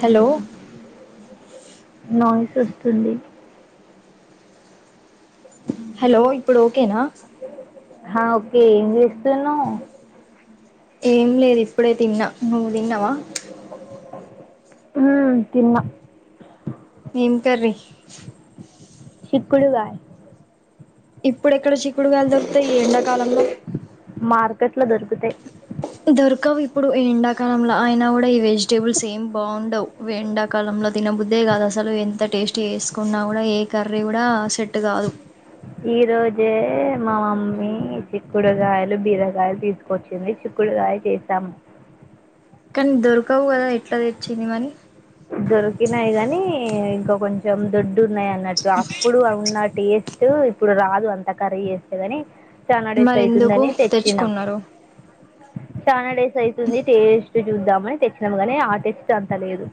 Hello noise వస్తుంది hello ఇప్పుడు ఓకేనా ఆ ఓకే ఏం జేస్తున్నవ్ ఏం లేదు ఇప్పుడే తిన్నా నువ్వు దిన్నవా ఉమ్ తిన్నా ఏం కర్రీ చిక్కుడుగాయ్ ఇప్పుడెక్కడ చిక్కుడుకాయలు దొరుకుతాయి ఈ ఎండాకాలంల మార్కెట్ లో దొరుకుతయ్ దొరకవ్ ఇప్పుడు ఎండాకాలంలో అయినా గూడా ఈ వెజిటేబుల్స్ ఏం బాగుండవ్ ఎండాకాలం లో తినబుద్దే గాదు అసలు ఎంత టేస్టీ చేసుకున్నా గూడా ఏ కర్రీ గూడా సెట్ గాదు ఈ రోజే మా మమ్మీ చిక్కుడుగాయలు బీరగాయలు తీసుకొచ్చింది చిక్కు డుగాయ చేసాం కానీ దొరకవు గదా ఎట్లా దెచ్చింది మనీ దొరికినాయి గాని ఇంకా కొంచెం దొడ్డు ఉన్నాయి అన్నట్టు అప్పుడు ఉన్నట్ టేస్ట్ ఇప్పుడు రాదు అంత కర్రీ చేస్తే గాని చానాడేస్ మరి ఎందుకు అయితుందని తెచ్చినం తెచ్చుకున్నారు చానాడైస్ అయితుంది టేస్ట్ చూద్దామని తెచ్చినాము గాని ఆ టేస్ట్ అంత లేదు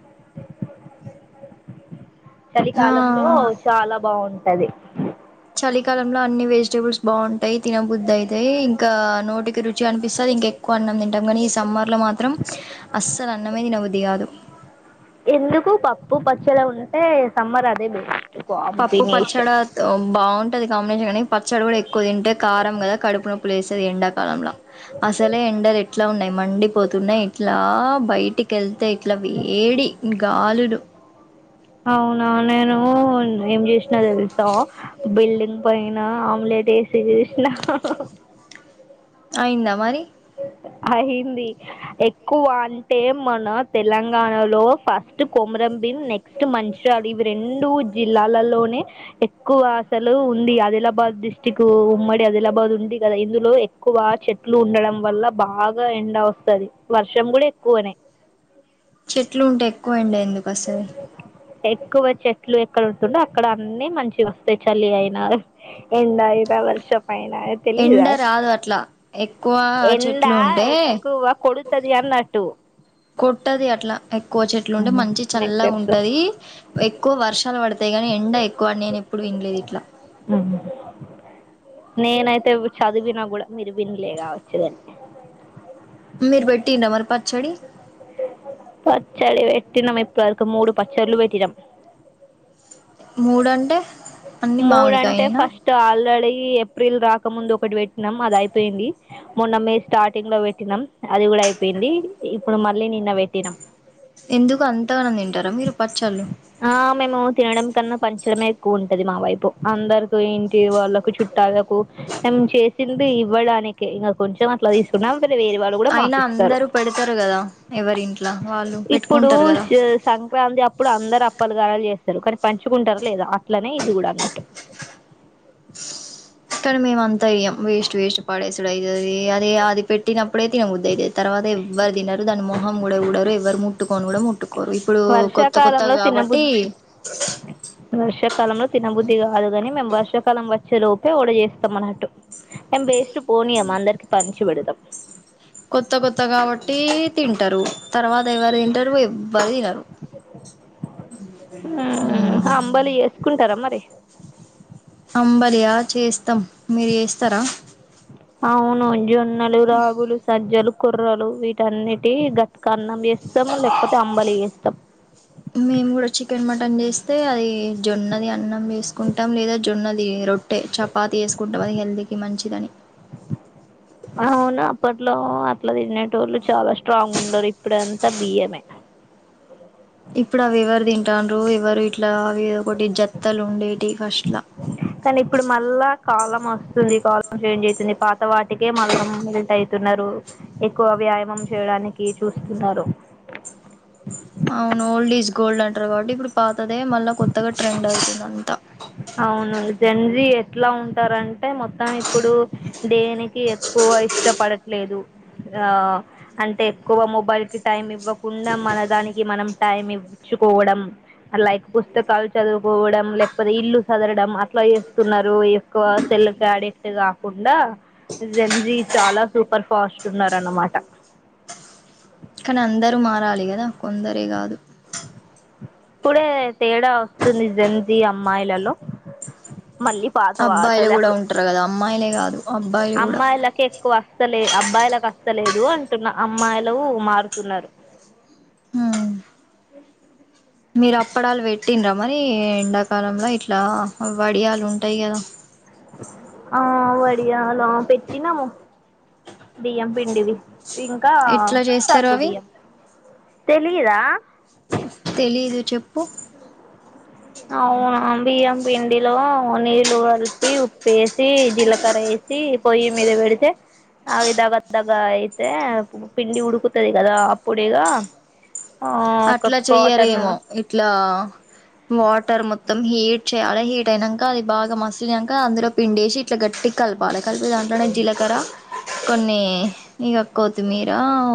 చలికాలంలో ఆ చాలా బాగుంటది చలికాలంలో అన్ని వెజిటేబుల్స్ బాగుంటాయి తినబుద్దైతయి ఇంకా నోటికి రుచి అనిపిస్తది ఇంక ఎక్కువ అన్నం దిం టాం గానీ ఈ సమ్మర్ లో మాత్రం అస్సలు అన్నమే దినబుద్ది గాదు ఎందుకు పప్పు పచ్చడే ఉంటే సమ్మర్ అదే పెట్టు. పప్పు పచ్చడి బాగుంటది కాంబినేషన్ కానీ పచ్చడి కూడా ఎక్కువ తింటే కారం కదా కడుపు నొప్పి. లేస్తది ఎండాకాలంలా అసలే ఎండలు ఎట్లా ఉన్నాయి మండిపోతున్నాయి ఇట్లా. బయటికి వెళ్తే ఇట్లా వేడి గాలులు. అవునా నేను ఏం చేసినా తెలుసా బిల్డింగ్ పైన ఆమ్లేట్. అయితే [unintelligible] జేసినా. అయిందా మరి. అయ్యింది ఎక్కువ అంటే మన తెలంగాణలో ఫస్ట్. కొమరంబిమ్ నెక్స్ట్ మంచిర్యాల ఇవి రెండు జిల్లాలలోనే ఎక్కువ అసలు. ఉంది ఆదిలాబాద్ డిస్టిక్ ఉమ్మడి ఆదిలాబాద్ ఉంది కదా ఇందులో ఎక్కువ చెట్లు ఉండడం. వల్ల బాగా ఎండ వస్తది వర్షం కూడా ఎక్కువనే. చెట్లు ఉంటే ఎక్కువ ఎండ ఎందుకు వస్తాది. ఎక్కువ చెట్లు ఎక్కడ ఉంటుందో ఎక్కడ అన్ని మంచిగా వస్తాయి చలి అయిన ఎండైన. లేదా వర్షం. మైనా ఎండ తెలిదా రాదు అట్లా ఎక్కువ ఎండ చెట్లు ఉంటే ఎక్కువ కొడతది. తున్నట్టు. కొట్టాది అట్లా ఎక్కువ చెట్లు. చెట్లుంటే మంచిగ నాకు చల్లగా తెలుసు ఉంటది ఎక్కువ వర్షాలు పడతాయి గాని ఎండ ఎక్కువని నేను ఎప్పుడు వినలేదు ఇట్లా. ఉమ్. [inaudible] నేనైతే చదివినా కూడా మీరు వినలేగాచ్చుదాన్ని. మీరు పెట్టిండ్రా మరి పచ్చడి. పెట్టినం ఇప్పటిదాకా మూడు పచ్చడులు పెట్టినం. మూడు అంటే. మూడు అంటే ఫస్ట్ ఆల్రెడీ. ఏప్రిల్ రాకముందు ఒకటి పెట్టినాం అది అయిపోయింది మొన్న మే స్టార్టింగ్ లో పెట్టినం అది కూడ. డా అయిపోయింది ఇప్పుడు మళ్ళీ నిన్న పెట్టినాం. ఎందుకు అంతగానం తింటారా మీరు పచ్చళ్ళు ఆహ్ మేము తినడం కన్నా పంచడమే ఎక్. టది మా వైపు అందరుకు ఇంటి వాళ్ళకు చుట్టాలకు మేం చేసింది ఇవ్వడానికే. ఇంగ కొంచెం అట్లా తీసుకున్నాం. వేరేవాళ్ళు కూడా అయినా మాకు ఇస్తారు అందరూ పెడతారు కదా ఎవరి ఇంట్ల వాళ్ళు ఇప్పుడు పెట్టుకుంటారు కదా సం సంక్రాంతి అప్పుడు అందరు అప్పలుగారెలు చేస్. అందరు కానీ పంచుకుంటారా లేదా అట్లనే ఇది కూడా అన్నట్టు. కానీ మేము అంతా చేయ్యాం వేస్ట్ వేస్ట్ పడేసుడు అయితాది. అదే అది పెట్టినప్పుడే తినబుద్ధి అయితది తర్వాత ఎవ్వరు తినరు దాని మొహం కూడా చూడరు. ఎవరు ముట్టుకోను కూడా ముట్టుకోరు ఇప్పుడు కొత్త కొత్త వర్షాకాలంలో కాబట్టి. తినబుద్ధి వర్షాకాలంలో తినబుద్ధి కాదు కాని మేము వర్షం. కాలం వచ్చేలోపే ఒడ చేస్తాం అన్నట్టు మేం వేస్ట్ పోనియం అందరికి పంచు పంచిపెడతాం. కొత్త కొత్త కాబట్టి తింటారు తర్వాత ఎవరు తింటారు ఎవ్వరు తినరు. హ్మ్ అంబలి చేసుకుంటారా మరి. అంబలియా చేస్తాం మీరు చేస్తారా. అవును జొన్నలు రాగులు సజ్జలు. కోర్రలు వీటన్నిటి గట్గా అన్నం చేస్. మేము కూడా చికెన్ మటన్ చేస్. తే అది జొన్నది అన్నం చేసుకుంటాం లేదా జొన్నది రొట్టె చపాతి చేసుకుంటాం అది హెల్దీ కి మంచిదని అవును అప్పట్లో అట్ల తినేటోళ్ళు చాల స్ట్రాంగ్ ఉండరు ఇప్పుడ త బియ్యమే ఇప్పుడు అవి ఎవరు తింటాండ్రు ఎవరు ఇట్లా అవి ఒకటి జత్తాలు ఉండేటి ఫస్ట్ల కానీ ఇప్పుడు మళ్ళా కాలం వస్తుంది క చేంజ్ అయితుంది పాత వాటికే మళ్ళ మెల్ట్ అయితున్నారు ఎక్కువ వ్యాయామం చేయటానికి చుస్తున్నారు అవును ఓల్డ్ ఈజ్ గోల్డ్ అంటారు కాబట్టి ఇప్పుడు పాతదే మళ్ళా కొత్తగా ట్రెండ్ అవుతుంది అంత అవును జంజీ ఎట్ల ఉంటారంటే మొత్తం ఇప్పుడు దేనికి ఎక్కు వ ఇష్టపడట్లేదు ఆ అంటే ఎక్కువ మొబైల్‌కి టైం ఇవ్వ కుండ మనదాని కి మనం టైం ఇచ్చుకోవడం లైక్ పుస్తకాలు చదువుకోవడం లేకపోతే ఇల్లు సదరడం అట్లా చేస్తున్నారు ఎక్కువ సెల్‌కి అడిక్ట్ కాకుండా జెంజి చాల సూపర్ ఫాస్ట్ ఉన్నారన్నమాట కానీ అందరూ మారాలి కదా కొందరే కాదు ఇప్పుడే తేడ వస్తుంది జేంజి అమ్మాయిలలో మళ్ళీ పాత అబ్బాయిలు కూడా వాటలకు ఉంటారు కదా అమ్మాయిలే కాదు అబ్బాయిలు కూడా అమ్మాయిలకి ఎక్కువ వస్తలే అబ్బాయిలకు అస్తలేదు అంటున్న అమ్మాయిలు మారుతున్నారు హ్మ్ మీరు అప్పడాలు పెట్టిండ్రా మరి ఎండాకాలంలో ఇట్ల వడియాలు ఉంటాయి కదా ఆ వడియాలో పెట్టినాము బియ్యం పిండివి ఇంక ఎట్లా చేస్తారు సగ్గు అవి బియ్యం తెలిదా తెలీదు చెప్పు అవునా బియ్యం పిండిలో నీళ్ళు కలిపి ఉప్పు ఏసి జీలకర్ర ఏసి పొయ్యి మీద పెడితే అవి దగ దగ అయితే పిండి ఉడుకుతది కదా అప్పుడిగ అట్ల చెయ్యారేమో ఇట్లా వాటర్ మొత్తం హీట్ చేయాలి హీట్ అయినాక అది బాగా [unintelligible] అందులో పిండేసి ఇట్ల గట్టిగ కలపాలి కలిపే దాంట్లోనే జీలకర్ర కొన్ని ఇక కొతిమీర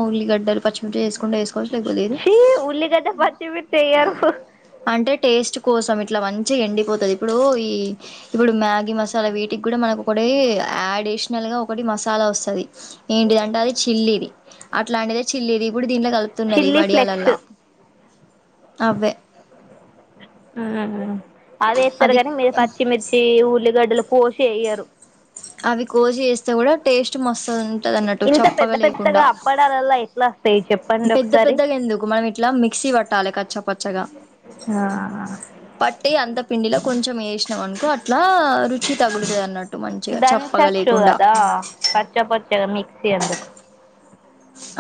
ఉల్లిగడ్డలు పచ్చిమిర్చ వేసుకుంటే వసుకోవచ్చు లేకపోతే లేదు ఛీ ఉల్లిగడ్డ పచ్చిమిర్చి వేయరు అంటే టేస్ట్ కోసం ఇట్ల మంచిగా ఎండిపోతుంది ఇప్పుడు ఈ ఇప్పుడు మ్యాగీ మసాలా వీటికి కూడ మనకు ఒక యాడ్ అడిషనల్ గా ఒకటి మసాలా వస్తుది ఏంటిదంటే అది చిల్లీది అట్లాంటిదే చిల్లిది ఇప్పుడు దీనిలో కలుపుతున్నారు ఈ వడియాల అట్ అ అవి వేస్తారు అది కానీ మీరు పచ్చిమిర్చి ఉల్లిగడ్డలు కోసి వెయ్యారు అవి కోసి చేస్తే కూడ టేస్ట్ మస్త్ వుంటధన్నట్టు ఇంత పెద్ద చెప్పగా లేకుండా పెద్దగా అప్పడాలలా ఎట్లా వస్తాయి చెప్పండి పెద్ద ఒకసారి పెద్దగ ఎందుకు మనం ఇట్లా మిక్సీ పట్టాలి కచ్చపచ్చగా ఆ పిండిలో కొంచెం వేసినాం అనుకో అట్లా రుచి తగులుతుది అన్నట్టు మంచిగా చప్పగా దన్చచ్చు లేకుండా కదా పచ్చా పచ్చగా మిక్సి ఎందుకు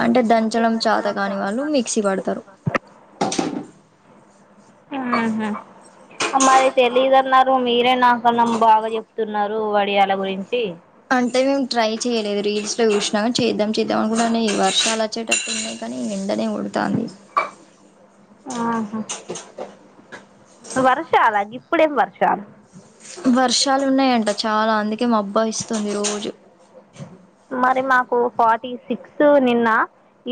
అంటే దంచడం చాత కాని వాళ్ళు మిక్సీ పడతారు ఆహ మరి తెలీదన్నారు మీరే నాకన్నాం బాగా చెప్తున్నారు వడియాల గురించి అంతే మేము ట్రై చేయలేదు రీల్స్ లో చూసినా గాని చేద్దాం చేద్దాం అనుకుంటన్నా ఈ వర్షాలు వచ్చేటప్పుడు ఉన్నాయి కానీ ఎండనే కొడుతాంది వర్షలా గిప్పుడేం వర్షాలు వర్షాలు ఉన్నాయంట చాలా అందుకే మాబ్బాస్తుంది రోజు మరి మాకు ఫార్టీ సిక్స్ నిన్న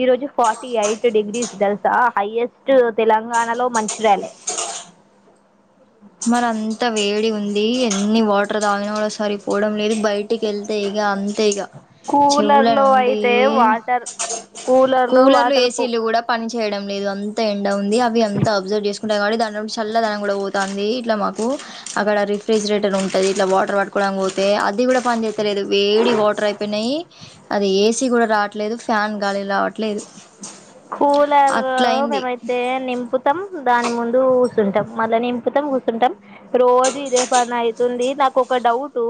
ఈ రోజు ఫార్టీ ఎయిట్ డిగ్రీస్ తెలుసా హైయెస్ట్ తెలంగాణలో మంచిర్యాలే మరి అంత వేడి ఉంది ఎన్ని వాటర్ తాగిన కూడా సరిపోవడం లేదు బయట టికెళ్తే ఇక అంతే ఇక చెవుల కూలర్ లో నుండి అయితే వాటర్ కూలర్ లో కూలర్లు వాటర్ పో ఏసీలు కూడా పని చేేయడం లేదు అంత ఎండ ఉంది అవి అంత అబ్సర్వ్ చేసుకుంటయి కాబటి దాట్లో చల్లదనం కూడా పోతంది ఇట్ల మాకు కు అక్కడ రిఫ్రిజిరేటర్ ఉం అది ఇట్లా వాటర్ పట్టుకోవడానికి పోతే అది కూడా పని చేస్తాలేదు వేడి వాటర్ అయిపోయినాయి అది ఏసీ కూడా రాట్లేదు ఫ్యాన్ గాలి రావట్ కూలరు అయింది మేమైతే నింపుతం దాని ముందు కూర్చుంటాం మళ్ళా నింపుతాం కూర్చుంటాం రోజు ఇదే పని అయి తుంది నాకు ఒక డౌటు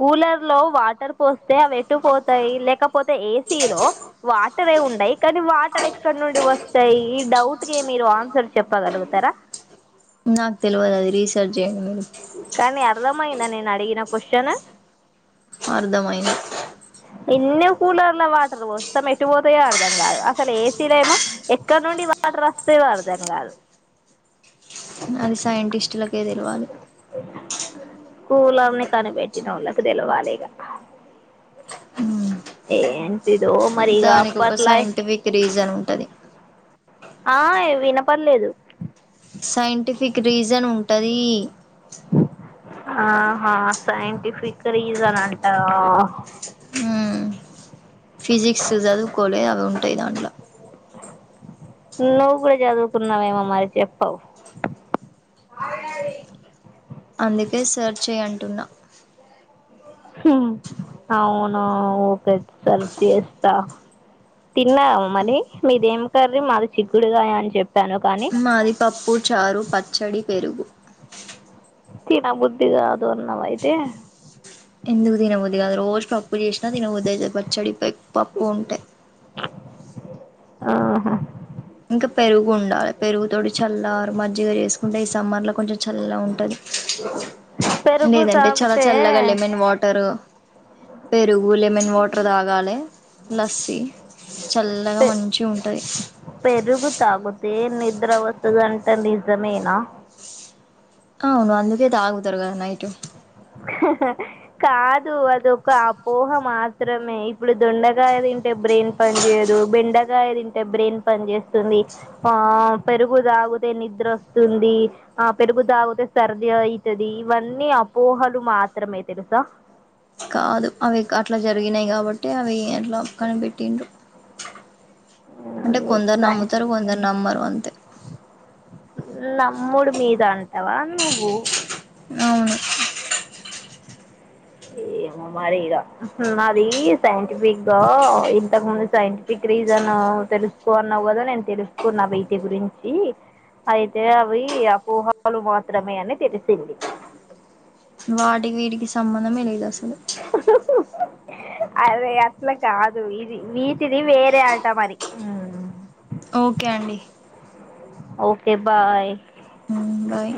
కూలర్ లో వాటర్ పోస్తే అవెట్టు పోతాయి లేకపో పోతే ఏసీ లో వాటర్ ఏ ఉం కానీ వాటర్ ఎక్కడ నుండి వస్తాయి ఈ డౌట్ కి మీరు ఆన్సర్ చెప్పగలుగుతార నాకు తెలివదు అది రీసర్చ్ చేయండి మీరు కానీ అర్థమయిందా నేను అడిగిన కొశన్ అర్థమైన్ ఎన్నో కూలర్ల వాటర్ వస్తాం ఎట్టుపోతాయో అర్థం కాదు అసలు ఏసీలో ఏమో ఎక్కడ నుండి వా టరస్తయో అర్థం కాదు అది సైంటిస్టులకే తెలివాలే కూలర్ ని కనిపెట్టినోళ్ళకి తెలివాలి ఇంక ఏంటిద్ దానికి ఒక సైంటిఫిక్ రీజన్ ఉంటది ఆ ఏ వినపడలేదు సైంటిఫిక్ రీజన్ ఉంటది. ఆహా సైంటిఫిక్ రీజన్ అంటవ ఊ ఫిజిక్స్ చదువుకోలే అవి ఉంటయి దాంట్ల నువ్వు కూడా చదువుకున్నావేమో మరి చెప్పవు అందుకే సర్చేయి అంటున్నా అవును ఊకె సర్చ్ చేస్తా తిన్నావ మరి మీదేం కర్రీ మాది చిగ్గుడుగాయ అని చెప్ మాది పప్పు చారు పచ్చడి పెరుగు తినబుద్ధిగాదు అన్నవయితే ఎందుకు తినబుది కాదు రోజు పప్పు చేసినా తినబుదయితది పచ్చడి పప్పు ఉంటే ఆహా ఇంక పెరుగు ఉండాలే పెరుగు తోటి చల్ల ఆర్ మజ్జిగ చేసుకుంటే ఈ సమ్మర్ లో కొంచెం చల్ల ఉంటది. [inaudible] పెరుగు లేదంటే తాగితే చల్లచల్లగా లెమన్ వాటర్ పెరుగు లెమన్ వాటర్ టర్ దాగాలే లస్సి చల్లగా పె మంచి ఉంటుంది పెరుగు తాగుతే నిద్ర వస్తాదంట నిజమేనా అవును అందుకే తాగుతారు కదా నైట్ కాదు అదొక అపోహ మాత్రమే ఇప్పుడు దొండగాయ తింటే బ్రెన్ పని చేయదు బెండగా తింటే బ్రెయిన్ పని చేస్తుంది ఆ పెరుగు తాగుతే నిద్ర వస్తుంది ఆ పెరుగు తాగితే సర్ది అయితది ఇవన్నీ అపోహలు మాత్రమే తెలుసా కాదు అవి అట్లా జరిగినాయి కాబట్టి అవి ఎట్లా కనిపెట్టిండ్రు అంటే నీకు కొందరు సై నమ్ముతారు కొందరు నమ్మరు అంతే నమ్ముడు మీద అంటవా నువ్వు అవును ఏమో మరి ఇగ అది సైంటిఫిక్ గా ఇంతకు ముందు సైంటిఫిక్ రీజన్ తెలుసుకో అన్నావు కదా నేను తెలుసుకోన్నా వీటి గురించి అయితే అవి అపోహలు మాత్రమే అని తెలిసింది వాటికి వీటికి సంబంధమే లేదు అసలు [inaudible] అరే అట్లా కాదు వీటిది వేరే అటా మరి ఓకే అండి ఓకే బాయ్ హ్మ్ బాయ్